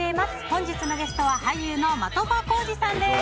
本日のゲストは俳優の的場浩司さんです。